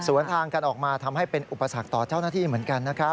ทางกันออกมาทำให้เป็นอุปสรรคต่อเจ้าหน้าที่เหมือนกันนะครับ